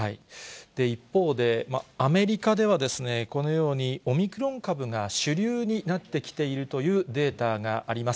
一方で、アメリカではこのようにオミクロン株が主流になってきているというデータがあります。